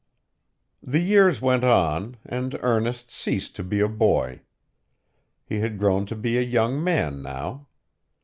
The years went on, and Ernest ceased to be a boy. He had grown to be a young man now.